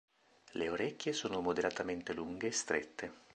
Le orecchie sono moderatamente lunghe e strette.